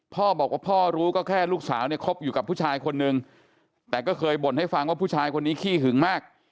พ่อบอกว่าพ่อรู้ก็แค่ลูกสาวเนี่ยคบอยู่กับผู้ชายคนนึงแต่ก็เคยบ่นให้ฟังว่าผู้ชายคนนี้ขี้หึงมาก